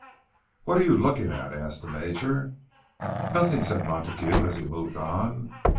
"What are you looking at?" asked the Major. "Nothing," said Montague, as he moved on.